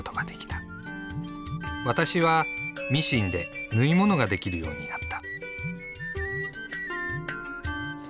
「ワタシ」はミシンで縫い物ができるようになった。